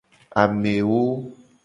Amewo.